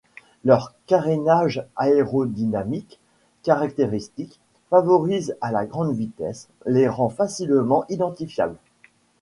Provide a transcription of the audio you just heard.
Leur carénage aérodynamique caractéristique, favorable à la grande vitesse, les rend facilement identifiables.